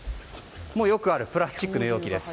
よくあるプラスチックの容器です。